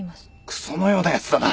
くそのようなやつだな！